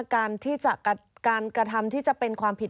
การกระทำที่จะเป็นความผิด